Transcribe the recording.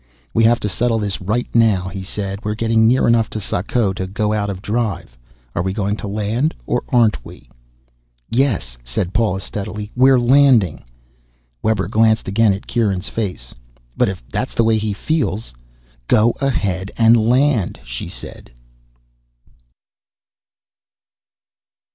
"We have to settle this right now," he said. "We're getting near enough to Sako to go out of drive. Are we going to land or aren't we?" "Yes," said Paula steadily. "We're landing." Webber glanced again at Kieran's face. "But if that's the way he feels " "Go ahead and land," she said.